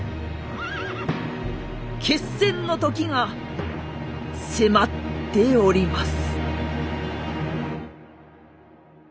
決戦の時が迫っております。